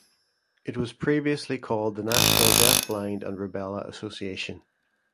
It was previously called The National Deafblind and Rubella Association.